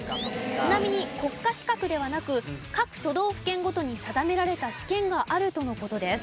ちなみに国家資格ではなく各都道府県ごとに定められた試験があるとの事です。